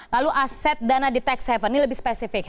lalu aset dana di tax haven ini lebih spesifik